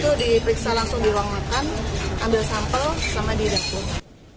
itu diperiksa langsung di ruang makan ambil sampel sama di dapur